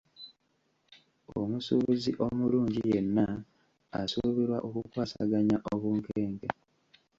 Omusuubuzi omulungi yenna asuubirwa okukwasaganya obunkenke.